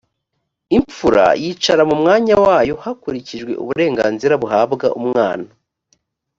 imfura yicara mu mwanya wayo hakurikijwe uburenganzira buhabwa umwana.